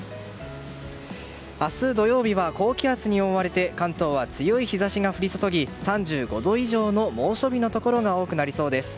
明日、土曜日は高気圧に覆われて関東は強い日差しが降り注ぎ３５度以上の猛暑日のところが多くなりそうです。